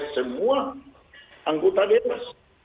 semua anggota dewan